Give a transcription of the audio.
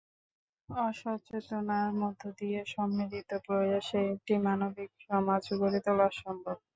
আত্মসচেতনতার মধ্য দিয়ে সম্মিলিত প্রয়াসে একটি মানবিক সমাজ গড়ে তোলা সম্ভব।